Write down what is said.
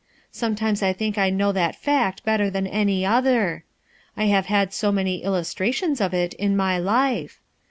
Sometimes I think I know that fact better thaji any other; I have had so many illustrations of it in my life.